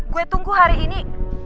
gue tunggu hari ini